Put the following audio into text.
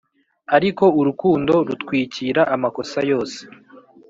ariko urukundo rutwikira amakosa yose